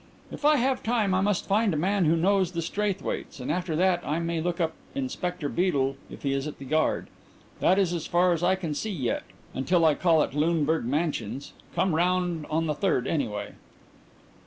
If I have time I must find a man who knows the Straithwaites, and after that I may look up Inspector Beedel if he is at the Yard. That is as far as I can see yet, until I call at Luneburg Mansions. Come round on the third anyway."